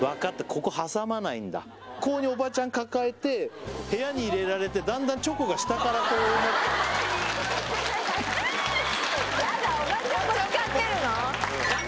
ここ挟まないんだこういうふうにおばちゃん抱えて部屋に入れられてだんだんチョコが下からこうなってやだ